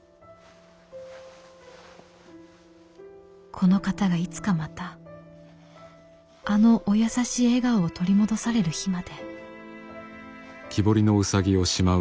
「この方がいつかまたあのお優しい笑顔を取り戻される日まで」。